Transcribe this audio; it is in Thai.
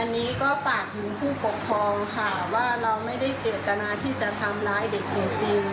อันนี้ก็ฝากถึงผู้ปกครองค่ะว่าเราไม่ได้เจตนาที่จะทำร้ายเด็กจริง